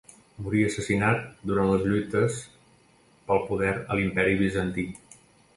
Morí assassinat durant les lluites pel poder a l'Imperi Bizantí.